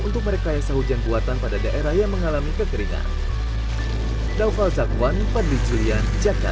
untuk merekayasa hujan buatan pada daerah yang mengalami kekeringan